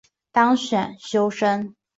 当选修生